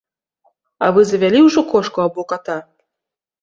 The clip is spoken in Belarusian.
А вы завялі ўжо кошку або ката?